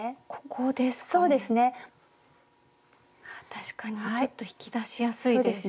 確かにちょっと引き出しやすいです。